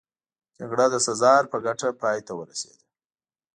جګړه د سزار په ګټه پای ته ورسېده.